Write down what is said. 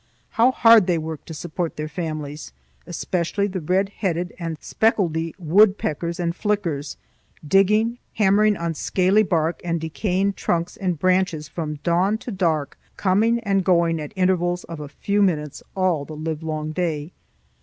How hard they worked to support their families, especially the red headed and speckledy woodpeckers and flickers; digging, hammering on scaly bark and decaying trunks and branches from dawn to dark, coming and going at intervals of a few minutes all the livelong day!